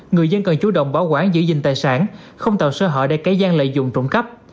người dân cần chú động bảo quản giữ gìn tài sản không tạo sơ hợi để cấy gian lợi dụng trụng cấp